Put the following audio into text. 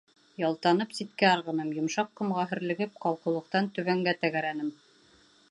Ялтанып, ситкә ырғыным, йомшаҡ ҡомға һөрлөгөп, ҡалҡыулыҡтан түбәнгә тәгәрәнем.